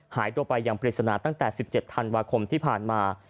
หายตัวไปอย่างปริศนาตั้งแต่๑๗ธันวาคมที่ผ่านมา